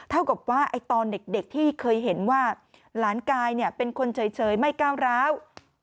เท่ากับว่าตอนเด็กที่เคยเห็นว่าหลานกายเป็นคนเฉยไม่ก้าวร้าว